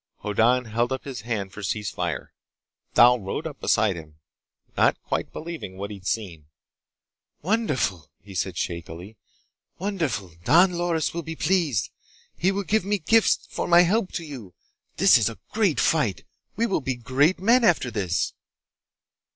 Hoddan held up his hand for cease fire. Thal rode up beside him, not quite believing what he'd seen. "Wonderful!" he said shakily. "Wonderful! Don Loris will be pleased! He will give me gifts for my help to you! This is a great fight! We will be great men, after this!"